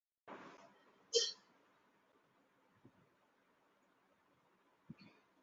যোগী কহিলেন, মহারাজ, মন্ত্রণা ঔষধ গৃহচ্ছিদ্র।